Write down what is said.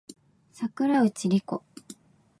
桜内梨子